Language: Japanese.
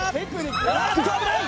あっと危ない！